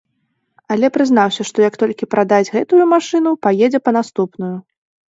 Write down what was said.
Але прызнаўся, што як толькі прадасць гэтую машыну, паедзе па наступную.